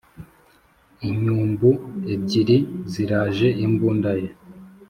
inyumbu ebyiri ziraje imbunda ye